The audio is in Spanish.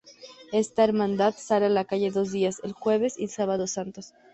Esta hermandad sale a la calle dos días: el Jueves y Sábado Santos.